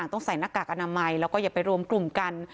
ต้องใส่หน้ากากอนามัยแล้วก็อย่าไปรวมกลุ่มกัน